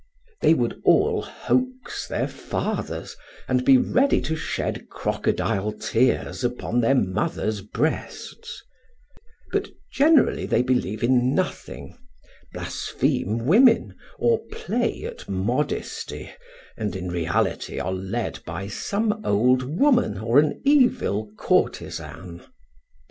They would all hoax their fathers, and be ready to shed crocodile tears upon their mothers' breasts; but generally they believe in nothing, blaspheme women, or play at modesty, and in reality are led by some old woman or an evil courtesan.